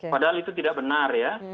padahal itu tidak benar ya